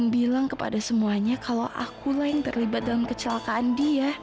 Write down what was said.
bagaimana kalau aku yang terlibat dalam kecelakaan dia